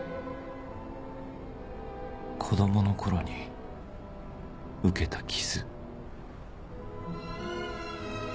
子供のころに受けた傷